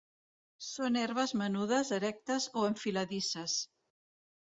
Són herbes menudes erectes o enfiladisses.